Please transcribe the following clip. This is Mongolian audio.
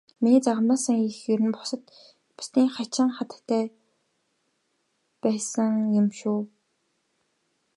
Миний загалмайлсан эх ер бусын хачин хатагтай байсан юм шүү.